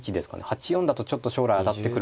８四だとちょっと将来当たってくる。